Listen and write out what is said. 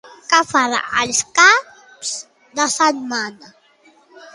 Què farà els caps de setmana?